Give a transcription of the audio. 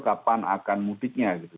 kapan akan mudiknya gitu